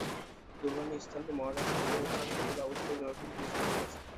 দুর্ঘটনার স্থানটি মহারাষ্ট্র প্রদেশের থানে জেলায় অবস্থিত একটি জনপ্রিয় পিকনিক স্পটের কাছে।